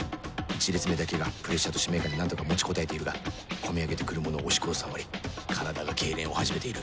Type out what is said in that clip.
１列目だけがプレッシャーと使命感で何とか持ちこたえているが込み上げて来るものを押し殺すあまり体が痙攣を始めている